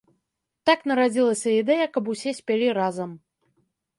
Так нарадзілася ідэя, каб усё спялі разам.